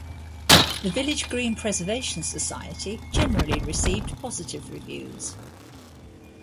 "The Village Green Preservation Society" generally received positive reviews.